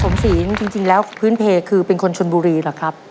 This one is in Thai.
ศีลจริงแล้วพื้นเพลคือเป็นคนชนบุรีเหรอครับ